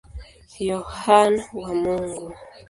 Yohane wa Mungu.